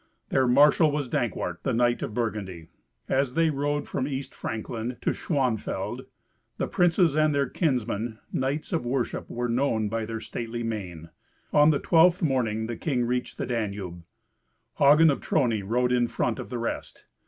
Their Marshal was Dankwart, the knight of Burgundy. As they rode from East Frankland to Schwanfeld, the princes and their kinsmen, knights of worship, were known by their stately mien. On the twelfth morning the king reached the Danube. Hagen of Trony rode in front of the rest.